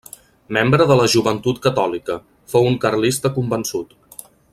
Membre de la Joventut Catòlica, fou un carlista convençut.